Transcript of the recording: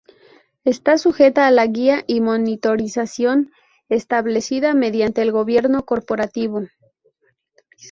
Está sujeta a la guia y monitorización establecida mediante el gobierno corporativo.